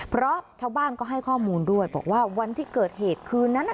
เพราะชาวบ้านก็ให้ข้อมูลด้วยบอกว่าวันที่เกิดเหตุคืนนั้น